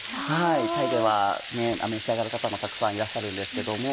タイでは召し上がる方もたくさんいらっしゃるんですけども。